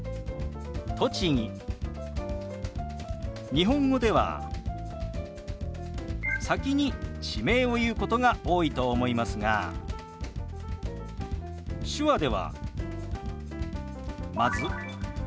日本語では先に地名を言うことが多いと思いますが手話ではまず「生まれ」。